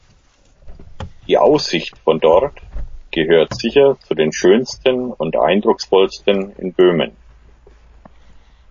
Die Aussicht von dort gehört sicher zu den schönsten und eindrucksvollsten in Böhmen.